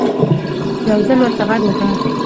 يو ځل ورته غږ وکړه